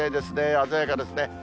鮮やかですね。